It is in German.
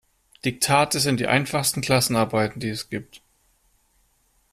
Diktate sind die einfachsten Klassenarbeiten, die es gibt.